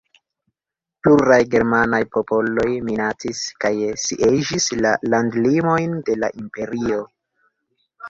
Pluraj ĝermanaj popoloj minacis kaj sieĝis la landlimojn de la Imperio.